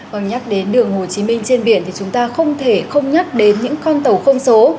vâng nhắc đến đường hồ chí minh trên biển thì chúng ta không thể không nhắc đến những con tàu không số